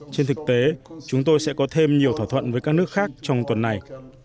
trên thực tế chúng tôi sẽ có thêm nhiều thỏa thuận với các nước khác trong tuần này